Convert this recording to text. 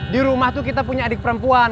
di rumah tuh kita punya adik perempuan